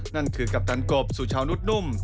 นั่นคือกัปตันกบสุชาวนุษย์นุ่ม